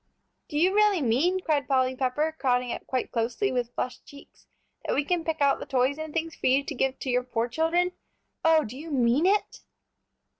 "Do you really mean," cried Polly Pepper, crowding up quite closely, with flushed cheeks, "that we can pick out the toys and things for you to give to your poor children? Oh, do you mean it?"